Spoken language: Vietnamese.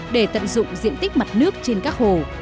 để tận dụng diện tích mặt nước trên các hồ